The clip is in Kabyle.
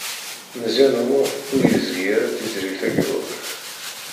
Meẓyan U Muḥ ur yegzi ara Tiziri Tagawawt.